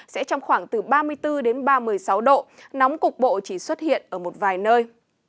sẽ trong khoảng từ ba mươi bốn đến ba mươi sáu độ nóng cục bộ chỉ xuất hiện ở một vài nơi